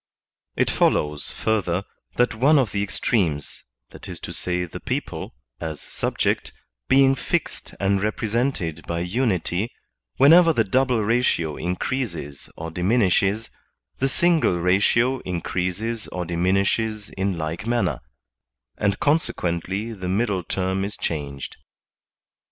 It follows, further, that one of the extremes, viz, the people, as subject, being fixed and represented by unity, whenever the double ratio increases or diminishes, the single ratio increases or dimin ishes in like manner, and consequently the middle term is changed.